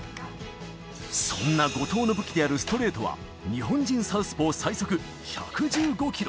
そんな後藤の武器であるストレートは、日本人サウスポー最速、１１５キロ。